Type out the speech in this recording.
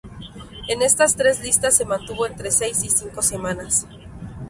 En estas tres listas se mantuvo entre seis y cinco semanas.